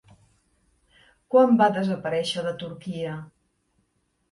Quan va desaparèixer de Turquia?